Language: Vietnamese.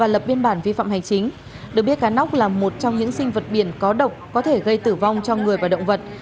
lập biên bản vi phạm hành chính được biết cá nóc là một trong những sinh vật biển có độc có thể gây tử vong cho người và động vật